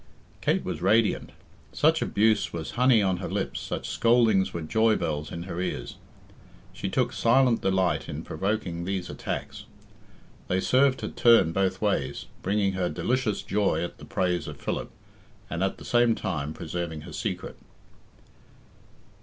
Kate was radiant. Such abuse was honey on her lips, such scoldings were joy bells in her ears. She took silent delight in provoking these attacks. They served her turn both ways, bringing her delicious joy at the praise of Philip, and at the same time preserving her secret.